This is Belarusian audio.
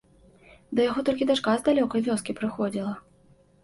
Да яго толькі дачка з далёкай вёскі прыходзіла.